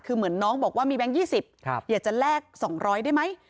คือเหมือนน้องบอกว่ามีแบงค์ยี่สิบครับอยากจะแลกสองร้อยได้ไหม